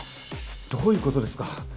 どういう事ですか？